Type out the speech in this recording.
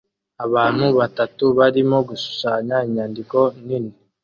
Abantu batatu barimo gushushanya inyandiko nini